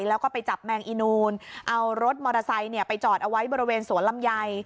แล้วก็ไปจับแมงอีนูนเอารถมอเตอร์ไซค์ไปจอดเอาไว้บริเวณสวนลำไย